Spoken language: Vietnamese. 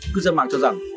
cư dân mạng cho rằng